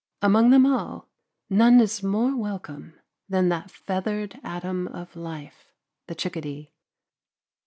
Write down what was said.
Among them all, none is more welcome than that feathered atom of life, the chickadee.